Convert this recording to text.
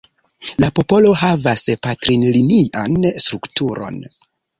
La popolo havas patrinlinian strukturon.